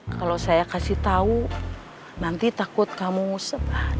kalau saya kasih tahu nanti takut kamu ngusep